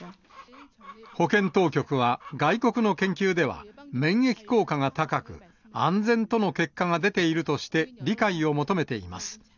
保健当局は、外国の研究では免疫効果が高く、安全との結果が出ているとして、理解を求めています。